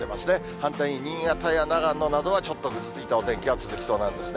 反対に新潟や長野などはちょっとぐずついたお天気が続きそうなんですね。